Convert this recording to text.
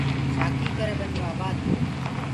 شآکيٚ ڪري ٻنيونٚ آبآد هينٚ۔